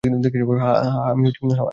হ্যাঁ, আমি এখানে।